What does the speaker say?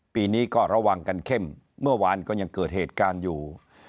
ปีนี้ก็ระวังกันเข้มเมื่อวานก็ยังเกิดเหตุการณ์อยู่